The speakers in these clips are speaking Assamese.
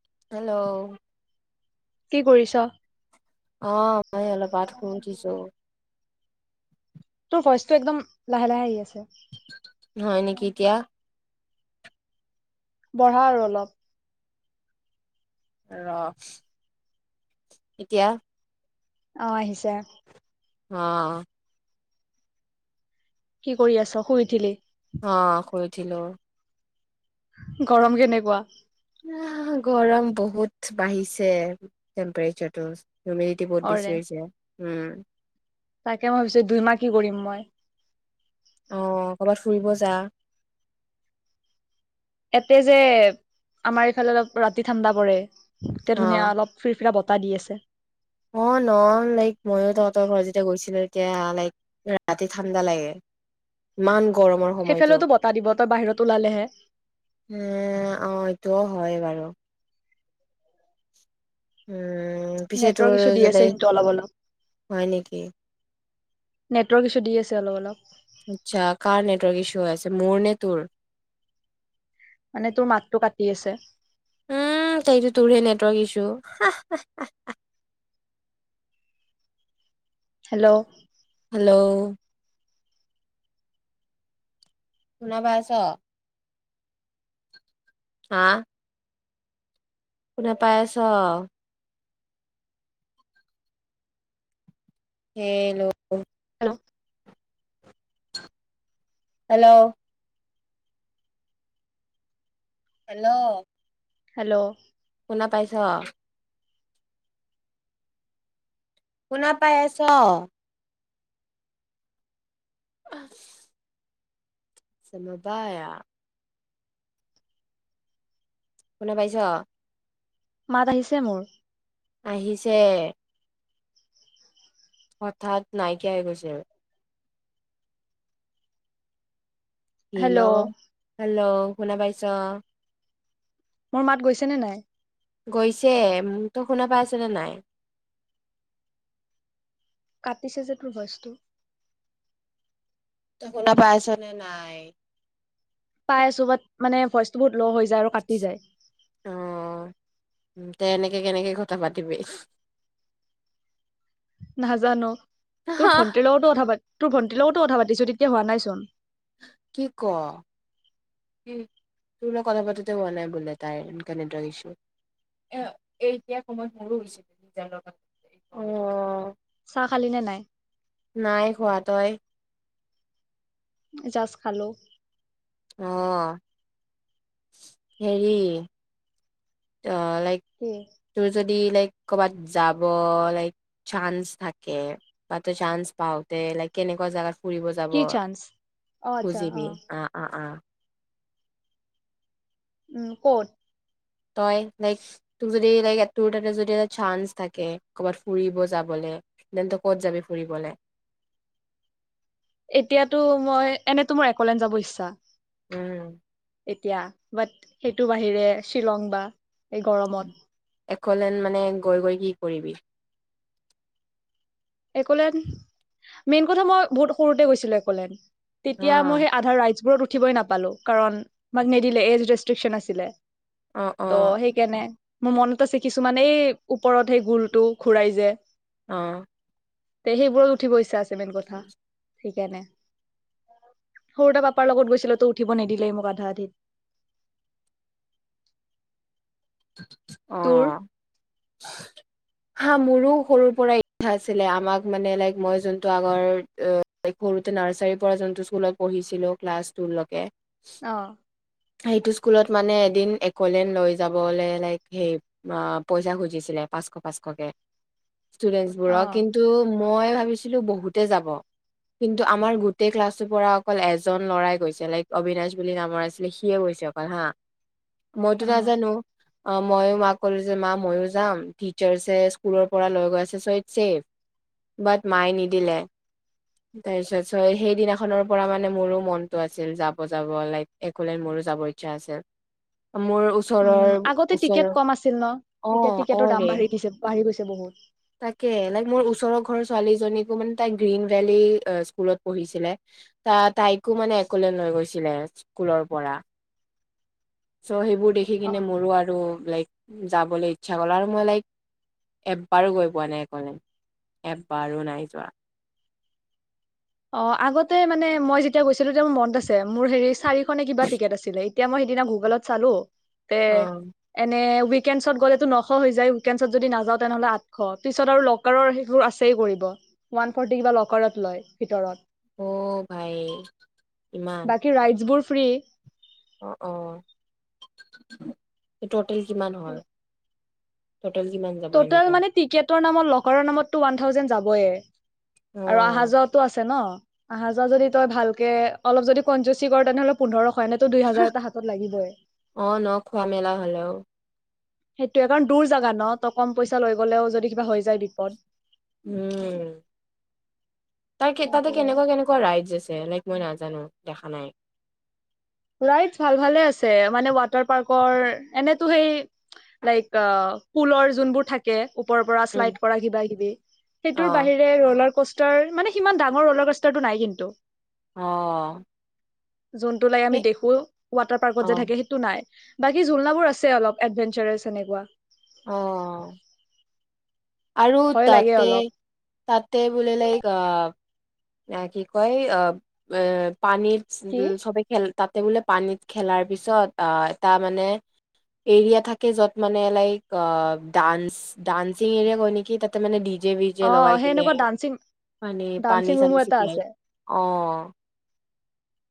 হেল্ল' কি কৰিছ? অ মই অলপ পঠখন উঠিছো তোৰ ভইচ টো একদম লাহে লাহে আহি আছে? হয় নেকি এতিয়া। পঢ়া আৰু অলপ ৰ এতিয়া অ আহিছে। অ। কি কৰি আছ? শুই উঠিলি? অ ক উঠিলোঁ গৰম কেনেকুৱা? [unintelligible] গৰম বহুত বাঢ়িছে টেম্পেৰেচাৰ টো। ইউটিউব ত অৰে বেছি হৈছে। উম। তাকে মই ভাবিছো দুইমাহ কি কৰিম মই। আহ কৰবাত ফুৰিব যা এতে যে আমাৰ এইফালে অলপ ৰাতি ঠাণ্ডা পৰে। এতিয়া অ ধুনীয়া অলপ ফী অলপ বতাহ দি আছে অ ন এতিয়া লাইক ৰাতি ঠাণ্ডা লাগে ইমান গৰমৰ সময়তো সেইফালেওতো বতাহ দিব তই বাহিৰত ওলালেহে। অ এইটোও হয় বাৰু উম উম পিছেটো নেটৱৰ্ক ইছ্যু দি আছে যেলে কিন্তু অলপ অলপ। হয় নেকি। নেটৱৰ্ক কিছু দি আছে অলপ অলপ আচ্ছা কাৰ নেটৱৰ্ক ইছ্যু হৈ আছে মোৰ নে তোৰ মানে তোৰ মাতটো কাটি আছে। উম তোহ তোৰহে নেটৱৰ্ক ইছু হ হেল্ল' হেল্ল' শুনা পাইছ হা কোনে পাই আছ হেই ল অ হেল্ল' হেল্ল' হেল্ল' শুনা পাইছ শুনা পাই আছ আহ চবায় শুনা পাইছ মাত আহিছে মোৰ আহিছে হঠাৎ নাইকিয়া হৈ গৈছিল। হেল্ল' হল' হেল্ল' শুনা পাইছ মোৰ মাত গৈছে নে নাই? গৈছে তো শুনা পাই আছেনেে নাই? পিছ হাজাৰ তোৰ বস্তু ত শুনা পাইছ নে নাই পাই আছো বাত মানে ভইচটো বহুত ল হৈ যায় আৰু কাটি যায়। উ তে এনেকে কেনেকে কথা পাতিবি নাজানো তোৰ ভন্টিৰ লগতো কথা পাতি তোৰ ভণ্টিৰ লগতো কথা পাতিছো তেতিয়া হোৱা নাই চোন কি ক তোৰ লগ কথা পাতে হোৱা নাই বোলে তাই কেনেদছো এ এতিয়া সময় মোৰোছিল আহ চাহ খালি নে নাই নাই খোৱা তই জাছ খালো। আহ হেৰি অ লাইক কি তোৰ যদি লাইক কবাত যাব লাইক চান্ছ থাকে বাত চান্ছ পাওঁতে লাইক কেনেকুৱা জেগা ফুৰিব যাব কি চান্স অ আচ্ছা খুজিবি, অ অ অ। উম কত? তই লাইক তোক যদি লাইক তোৰ তাতে যদি এটা চান্স থাকে কৰবাত ফুৰিব যাবলে দেন তই ক'ত যাবি ফুৰিবলে? এতিয়াতো মই এনেতো মোৰ একোলেন যাব ইচ্ছা। উম। এতিয়া বাট সেইটো বাহিৰে শ্বিলং বা এই গৰমত। একোলেন মানে গৈ গৈ কি কৰিবি? একলেন মেইন কথা মই বহুত সৰুতে গৈছিলো একলেন। অ তেতিয়া মই সেই আধা ৰাইট্ছ বোৰত উঠ উঠিবই নাপালো কাৰণ আমাক নিদিলে এজ ৰেষ্ট্ৰিকশ্যন আছিলে। অ অ ত সেইকাৰণে মোৰ মন। আছে কিছুমানে এই ওপৰত সেই গোলটো ঘুৰাই যে। অ দে সেইবোৰত উঠিব ইচ্ছা আছে মেইন কথা সেইকাৰনে, সৰুতো পাপাৰ লগত গৈছিলো, তো উঠিব নিদিলেই মোক আধা আধিত। [inaudible] অ তোৰ হা মোৰো সৰুৰ পৰা ইচ্ছা আছিলে আমাক মানে লাইক মই যোনটো আগৰ সৰুতে নাৰ্ছাৰীৰ পৰা জুনটো স্কুলত পঢ়িছিলো ক্লাছ টো লৈকে। আহ। সেইটো স্কুলত মানে এদিন একোলেন লৈ যাব। যাবলৈ লাইক পইচা খুজিছিলে পাচশ পাচশকে। ষ্টুডেন্টছ অ বোৰক কিন্তু মই ভা ছিলো বহুতে যাব কিন্তু আমাৰ গোটেই ক্লাছৰ পৰা অকল এজন ল'ৰাই গৈছে লাইক অবিনাছ বুলি নামৰ আছিলে সিয়ে গৈছে অকল হা। মইতো অ নাজানো! আহ ময়ো মাক কলো যে মা ময়ো যাম টিচাৰছে স্কুলৰ পৰা লৈ গৈ আছে চ ইছেফ বাট মায়ে নিদিলে তাৰপিছত ছ সেইদিনাখনৰ পৰা মানে মোৰো মনটো আছিল যাব যাব লাই একলেন মোৰো যাব ইচ্ছা আছিল। মোৰ ওচৰৰ। উম আগতে ওচৰৰ টিকেট কম আছিল ন। অ এতিয়া অ টিকেটৰ দাম ৰে বাঢ়ি দিছে বাঢ়ি গৈছে। বহুত। তাকে লাইক মোৰ ওচৰৰ ঘৰৰ ছোৱালীজনীকো মানে তাই গ্ৰীণ ভেলী স্কুলত পঢ়িছিলে ত তাইকো মানে একলে লৈ গৈছিলে স্কুলৰ পৰা। [unintelligible] দেখি কিনে অ মোৰো আৰু লাইক যাবলৈ ইচ্ছা গ'ল আৰু মই লাইক এব্বাৰো গৈ পোৱা নাই একোলেন, এব্বাৰো নাই যোৱা। অ আগতে মানে মই যেতিয়া গৈছিলো তেতিয়া মোৰ মনত আছে মোৰ হেৰি চাৰি শ নে কিবা টিকেট আছিলে এতিয়া মই সেইদিনা গুগলত চালো তে অ', এনে ৱিক উইকেণ্ডছত গ'লেতো নশ হৈ যায় উইকেণ্ডছত যদি নাযাওঁ তেনেহ'লে আঠশ পিছত আৰু লকাৰৰ সেইবোৰ আছেই কৰিব ওৱান ফৰ্টি কিবা লকাৰত লয়। ভিতৰত অ ভাই ইমান। ফ্ৰি অ অ [unintelligible] [unintelligible] যিমান হ'ল। টটেল কিমান যাব টোটেল এনেকে? মানে টিকেটৰ নামত লকাৰৰ নামত ৱান থাউজেন যাই। যাবয়ে। আৰু আহা অ', যোৱাতো আছে ন? আহা যোৱা যদি তই ভালকে অলপ যদি কনজুচি কৰ তেনেহ'লে পোন্ধৰ অ ন খোৱা মেলা হলেও সেইটোয়ে কাৰণ দূৰ জাগা ন ত কম পইচা লৈ গলেও যদি কিবা হৈ যায় বিপদ। উম তাৰ কেইটাতে কেনেকুৱা কেনেকুৱা ৰাইদজ আছে লাইক মই নাজানো। নাজানো দেখা নাই। ৰাইটছ ভাল ভালে আছে মানে ৱাটাৰ পাৰ্কৰ এনেতো সেই লাইক পুলৰ যোনবোৰ থাকে ওপৰৰ পৰা উম, শ্লাইড কৰা কিবা কিবি সেইটোৰ অ', বাহিৰে ৰোলাৰ কষ্টাৰ মানে সিমান ডাঙৰ ৰোলাৰ কষ্টাৰ নাই কিন্তু। অহ জোন দেখো ৱাটাৰ পাৰ্কত যে অ'। থাকে সেইটো নাই। বাকী ঝুললনাাবোৰ আছে অলপ এডভেঞ্চাৰেছ এনেকুৱা। আহ আৰু ভয় লাগে তাতে অলপ তাতে বোলে লাইক আহ এয়া কি কয় অ অ পানীৰ উ কি? চবেই খেল। তাতে বোলে পানীত খেলাৰ পিছত এটা মানে এৰিয়া থাকে য'ত মানে লাইক অ ডানস ডান্সিং এৰিয়া কৈ নেকি তাতে মানে যে বি যে অ লগাই কেনে সেনেকুৱা ডান্সিং পানী ডান্সিং পানীত ৰুমো এটা আছে [unintelligible] অ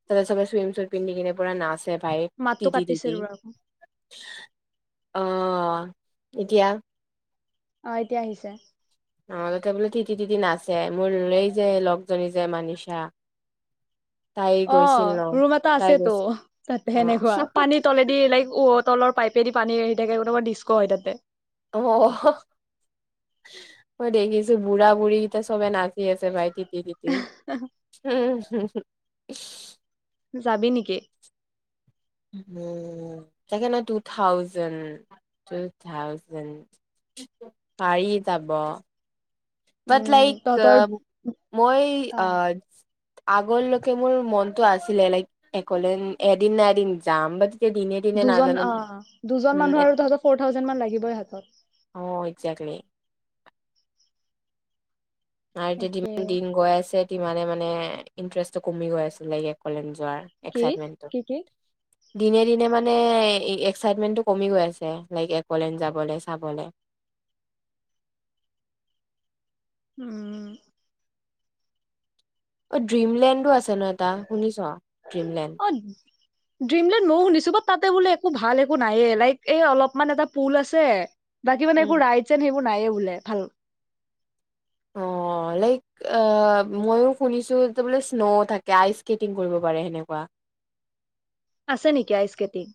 তাতে চবে চুইম চুট পিন্ধি কিনে পুৰা নাচ ভাই মাতটো তিদি কাটিছে টিদি ৰ অ এতিয়া অ এতিয়া আহিছে। অ সিহঁতে বোলে তিতি- তিতি নাছে মোৰ এই যে লগজনী যে মানিছা। অ, ৰুম এটা আছে তো তাত তেনেকুৱা পানী তলেদি লাইক অত তলৰ পাইপে দি পানী আহি থাকে অনবৰত ডিস্কো হয় তাতে। অ', মই দেখিছো বুঢ়া বুঢ়ী কিটা চবে নাচ থিকে আছে ভাইটিক ঠিকে, ঠিকে উম উম। [unintelligible] যাবি নেকি? উ'ম তাকে নহ টু থাউজেণ্ড, টু থাউজেণ্ড পাৰি যাব। বাট, উম লাইক অ তহঁতৰ মই আ আগলৈকে মোৰ মনটো আছিলে, লাইক একলেণ্ড এদিন না এদিন যাম বাট দুজন অঁ দুজন মানুহৰ উম আৰু তহতৰ ফ'ৰ থাউজেণ্ড মান লাগিবই হাতত। অ একজেক্টলি আৰু এতিয়া তাকে দিন দিন গৈ আছে। ইমানে মানে ইন্টাৰেষ্টটো কমি গৈ আছে লাইক একলেণ্ড যদ যোৱাৰ কি একচাইদমেন্টটো কি কি দিনে দিনে মানে এই এক্সাইটমেন্টটো কমি গৈ আছে লাইক। একলেণ্ড যাঁবলে চাঁবলে। উম অঁ ড্ৰিমলেণ্ডো আছে। এটা শুনিছ ড্ৰিমলেণ্ড। অ ড্ৰিমলেণ্ড ময়ো শুনিছো বাট তাতে বোলে একো ভাল একো নাইয়ে, লাইক এই অলপমান এটা পুল আছে। বাকী মানে একো উম ৰাইটচ এন সেইবো একো নাই বোলে ভাঁল। অঁ লাইক ময়ো শুনিছো যে বোলে স্ন' থাকে আইচ স্কেটিং কৰিব পাৰে সেনেকুৱা। আছে নেকি আই স্কেটিং?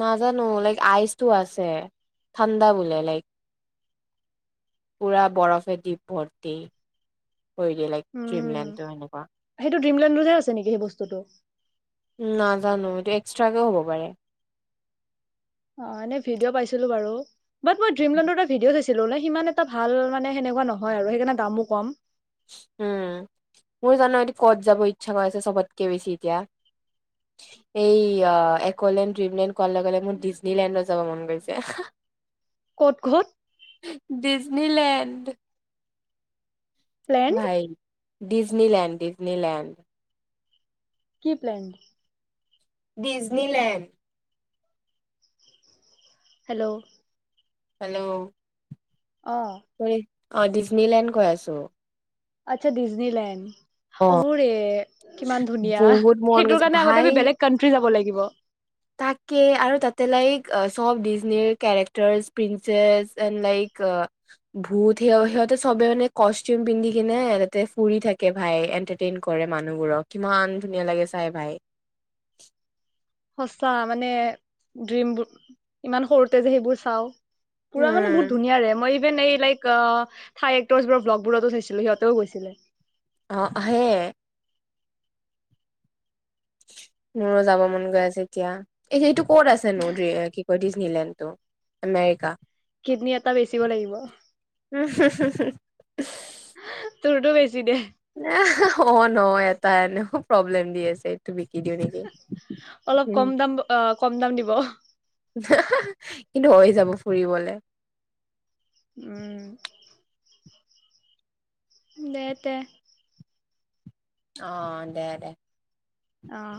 নাজানো। লাইক আইচটো আছে। ঠাণ্ডা বোলে লাইক পুৰা বৰফে দি ভৰ্তি। কৰি দিয়ে, লাইক ড্ৰিমলেণ্ডটো এনেকুৱা। এটো ড্ৰিম ললেণ্ডোহে আছে নেকি সেইস্তুতটো। নাজানো এইটো এক্সট্ৰাকেওঁ হ'ব পাৰে। অ, এনে ভিডিঅ' পাইছিলো বাৰু। বাট মই ড্ৰিমলেণ্ড ৰ এটা ভিডিঅ চাইছো। সিমান এটা ভাল মানে সেনেকুৱা নহয় আৰু সেইকাৰণে দামো কম। উম, মোৰ জান' এ কত যাব ইচ্ছা গৈ আছে চবতকে বেছি এতিয়া? এইয়া একলেণ্ড ড্ৰিমলেণ্ড কোৱাৰ লগ লগে মোৰ ডিজনীলেণ্ডত যাব মন গৈছে। ক'ত- ঘ'ত? ডিজনীলেণ্ড। প্লেণ্ড ভাই। ডিজ্নীলেণ্ড দি ফ্ৰিনীত লেণ্ড। কি প্লেন? ডিজনীলেণ্ড। হেল্ল' হেল্ল' অঁ চৰি অ ডিজনীলেণ্ড গৈ আছো আচ্ছা ডিজনীলেণ্ড অ। অহ ৰে কিমান ধুনীয়া বহুত মন সেইটোৰ গৈছে কাৰণে আগতে ভাই আমি বেলেগ কাণ্ট্ৰী যাব লাগিব থাকিব তাকে আৰু তাতে লাইক চব ডিজনীৰ কেৰেক্টাৰ প্ৰিন্সেছ এন লাইক ভূত স সিহঁতে চবে মানে কষ্টিউম পিন্ধি কিনে তাতে ফুৰি থাকে ভাই এণ্টাৰটেইন কৰে মানুহবোৰক কিমান ধুনীয়া লাগে চাই ভাই সচা মানে ড্ৰিমবোৰ ইমান সৰুতে যে সেইবোৰ চাওঁ পুৰা মানে বহুত উম ধুনীয়াৰে মই এণ্ড আই লাইক আ থাই এক্টৰছবোৰক ভ্লগবোৰতো থৈছিলে, সিহঁতেও গৈছিলে অ আহে মোৰো যাব মন গৈ আছে এতিয়া এ সেইটোক ক'ত আছে নো কি কৈ দিজনী নিলেণ্তৌ আমেৰিকা কিডনী এটা বেচিব লাগিব উ তোৰ টো [unintelligible] ন এটা এনেও প্ৰব্লেম দি আছে এইটো বিষ অলপ কম দাম অ কম দাম দিব কিন্তু হৈ যাব ফুৰিবলে উম দে তে আহ দে দে অহ